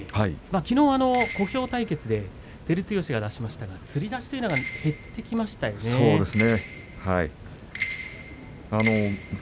きのう小兵対決で照強は出しましたがつり出しという技がそうですね。